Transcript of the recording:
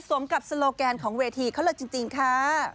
สมกับโซโลแกนของเวทีเขาเลยจริงค่ะ